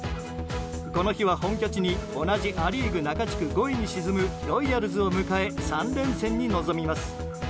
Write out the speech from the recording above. この日は本拠地に同じア・リーグ中地区５位に沈むロイヤルズを迎え３連戦に臨みます。